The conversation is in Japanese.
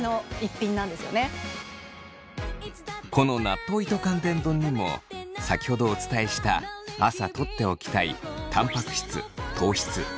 この納豆糸寒天丼にも先ほどお伝えした朝とっておきたいたんぱく質糖質食物